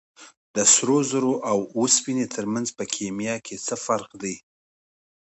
د سرو زرو او اوسپنې ترمنځ په کیمیا کې څه فرق دی